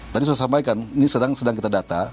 tadi saya sampaikan ini sedang kita data